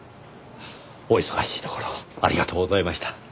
お忙しいところありがとうございました。